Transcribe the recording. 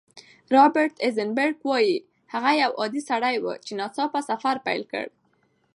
رابرټ ایزنبرګ وايي، هغه یو عادي سړی و چې ناڅاپه سفر پیل کړ.